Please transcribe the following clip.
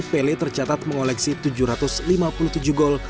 pele tercatat mengoleksi tujuh ratus lima puluh tujuh gol